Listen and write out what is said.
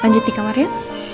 lanjut di kamar ya